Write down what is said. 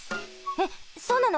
えっそうなの？